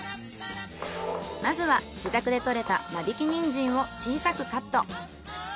まずは自宅で採れた間引きニンジンを小さくカット。